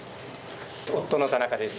夫の田中です。